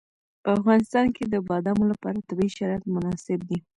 په افغانستان کې د بادامو لپاره طبیعي شرایط مناسب دي.